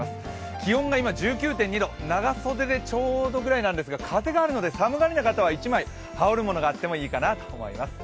気温が今１９．２度長袖でちょうどいい感じですが風があるので寒がりな方は１枚羽織るものがあってもいいかなと思います。